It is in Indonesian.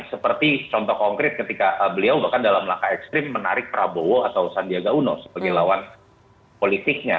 seperti contoh konkret ketika beliau bahkan dalam langkah ekstrim menarik prabowo atau sandiaga uno sebagai lawan politiknya